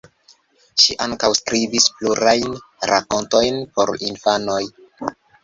Ŝi ankaŭ skribis plurajn rakontojn por infanoj.